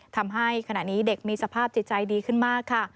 ทำให้ขณะนี้เด็กมีสภาพจิตใจดีขึ้นมากค่ะ